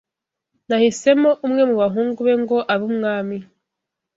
Nahisemo umwe mu bahungu be ngo abe umwami